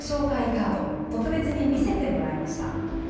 カード特別に見せてもらいました。